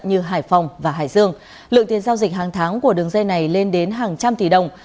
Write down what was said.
như hải phòng và hải dương lượng tiền giao dịch hàng tháng của đường dây này lên đến hàng trăm tỷ đồng